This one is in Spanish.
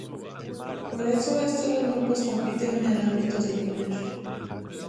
Por eso estos dos grupos compiten en el ámbito del poder.